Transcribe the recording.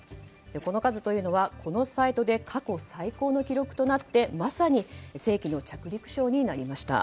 この数というのはこのサイトで過去最高の記録となってまさに世紀の着陸ショーになりました。